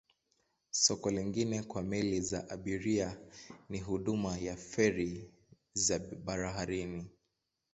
Soko lingine kwa meli za abiria ni huduma ya feri za baharini.